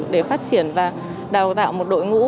để phát triển và đào tạo một đội ngũ